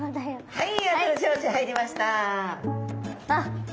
はい。